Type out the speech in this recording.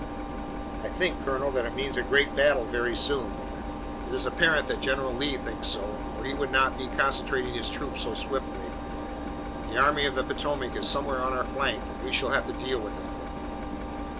"I think, Colonel, that it means a great battle very soon. It is apparent that General Lee thinks so, or he would not be concentrating his troops so swiftly. The Army of the Potomac is somewhere on our flank, and we shall have to deal with it."